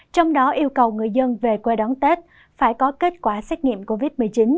trong đó yêu cầu người dân về quê đón tết phải có kết quả xét nghiệm covid một mươi chín